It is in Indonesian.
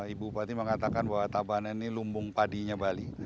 ibu bupati mengatakan bahwa tabanan ini lumbung padinya bali